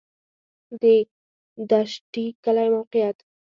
د دشټي کلی موقعیت